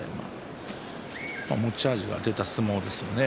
持ち味が出た相撲ですよね。